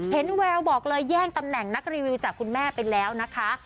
แววบอกเลยแย่งตำแหน่งนักรีวิวจากคุณแม่ไปแล้วนะคะ